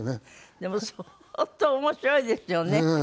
でも相当面白いですよね。